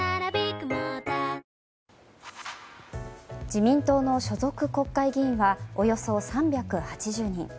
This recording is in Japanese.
自民党の所属国会議員はおよそ３８０人。